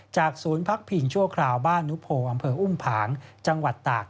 ศูนย์พักพิงชั่วคราวบ้านนุโพอำเภออุ้มผางจังหวัดตาก